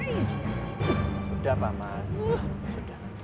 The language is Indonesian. sudah pak mas